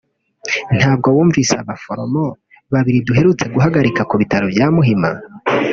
Ntabwo mwumvise abaforomo babiri duherutse guhagarika ku bitaro bya Muhima